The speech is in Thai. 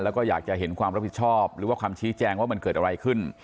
แล้วก็อยากจะเห็นความรับผิดชอบหรือว่าคำชี้แจงว่ามันเกิดอะไรขึ้น